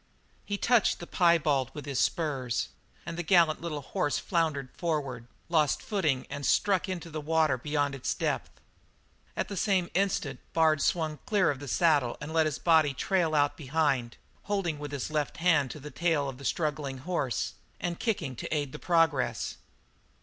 He touched the piebald with the spurs, and the gallant little horse floundered forward, lost footing and struck into water beyond its depth. At the same instant Bard swung clear of the saddle and let his body trail out behind, holding with his left hand to the tail of the struggling horse and kicking to aid the progress.